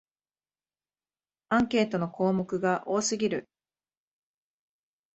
アンケートの項目が多すぎる